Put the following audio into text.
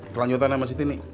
selanjutnya mas siti nih